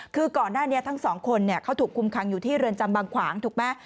คือก่อนหน้านี้ทั้งสองคนเขาถูกคุมขังอยู่ที่เรือนจำบางขวางถูกไหม